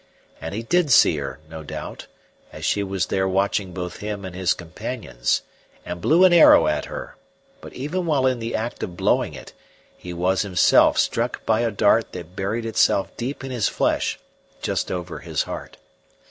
And he did see her no doubt, as she was there watching both him and his companions, and blew an arrow at her, but even while in the act of blowing it he was himself struck by a dart that buried itself deep in his flesh just over the heart.